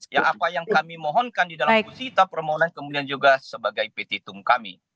ya apa yang kami mohonkan di dalam busita permohonan kemudian juga sebagai petitum kami